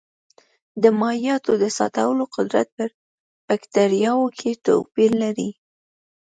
د مایعاتو د ساتلو قدرت په بکټریاوو کې توپیر لري.